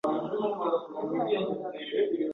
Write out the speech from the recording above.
Gushidikanya gutuma bahomba byinshi.